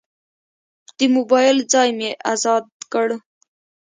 د موبایل ځای مې ازاد کړ.